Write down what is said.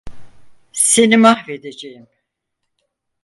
Seni mahvedeceğim!